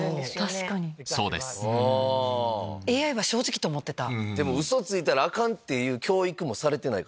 ＡＩは正直と思ってた。